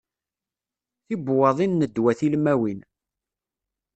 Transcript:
Tibuwaḍin n ddwa tilmawin.